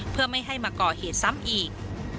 เพื่อไม่ให้มาก่อเหตุซ้ำอีก